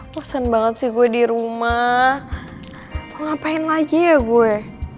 persen banget sih gue di rumah ngapain lagi ya gue